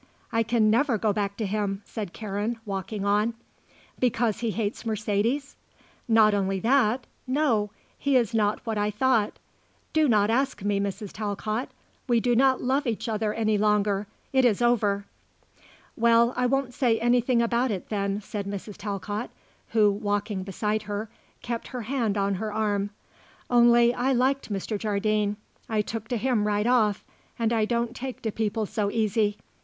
I can never go back to him," said Karen, walking on. "Because he hates Mercedes?" "Not only that. No. He is not what I thought. Do not ask me, Mrs. Talcott. We do not love each other any longer. It is over." "Well, I won't say anything about it, then," said Mrs. Talcott, who, walking beside her, kept her hand on her arm. "Only I liked Mr. Jardine. I took to him right off, and I don't take to people so easy.